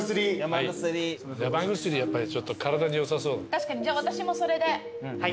確かにじゃあ私もそれで。